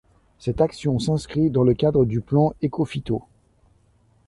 Cette action s'inscrit dans le cadre du plan Ecophyto.